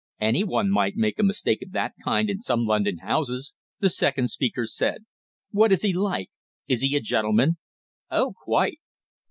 "Anyone might make a mistake of that kind in some London houses," the second speaker said. "What is he like? Is he a gentleman?" "Oh, quite."